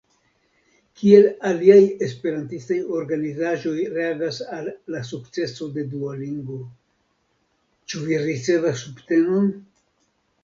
Kiel aliaj esperantistaj organizaĵoj reagas al la sukceso de Duolingo, ĉu vi ricevas subtenon?